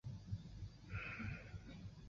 警察搜查家庭和冲刷对周围地区的距离。